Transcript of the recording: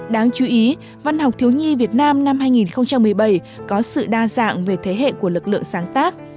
đáng chú ý văn học thiếu nhi việt nam năm hai nghìn một mươi bảy có sự đa dạng về thế hệ của lực lượng sáng tác